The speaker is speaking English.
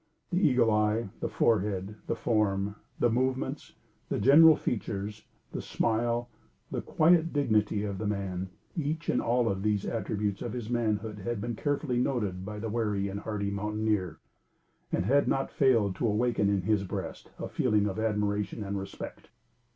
The eagle eye, the forehead, the form, the movements, the general features, the smile, the quiet dignity of the man, each and all of these attributes of his manhood had been carefully noted by the wary and hardy mountaineer, and had not failed to awaken in his breast a feeling of admiration and respect.